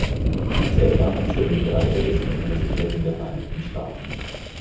Sie zählt damit zu den drei ältesten Universitäten der Vereinigten Staaten.